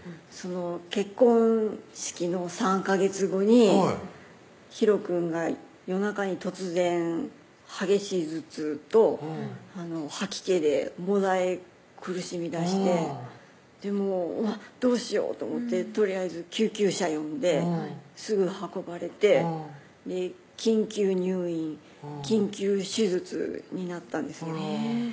結婚式の３カ月後にひろくんが夜中に突然激しい頭痛と吐き気でもだえ苦しみだしてうわっどうしようと思ってとりあえず救急車呼んですぐ運ばれて緊急入院・緊急手術になったんです